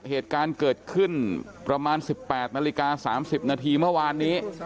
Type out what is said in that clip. เหตุการณ์เกิดขึ้นประมาณ๑๘นาฬิกา๓๐นาทีเมื่อวานนี้